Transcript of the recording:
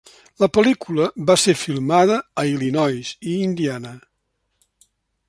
La pel·lícula va ser filmada a Illinois i Indiana.